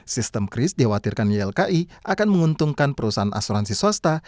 sistem kris dikhawatirkan ylki akan menguntungkan perusahaan asuransi swasta